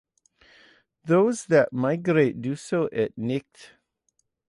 Those that migrate do so at night.